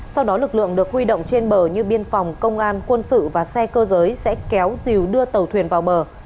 sau đó lực lượng được huy động trên bờ như biên phòng công an quân sự và xe cơ giới sẽ kéo rìu đưa tàu thuyền vào bờ